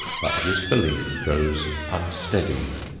But this belief grows unsteady.